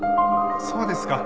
そうですか。